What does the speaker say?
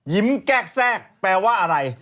แกลกแทรกแปลว่าอะไร